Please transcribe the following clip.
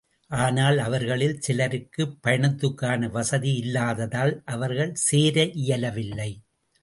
ஆனால், அவர்களில் சிலருக்கு, பயணத்துக்கான வசதி இல்லாததால் அவர்கள் சேர இயலவில்லை.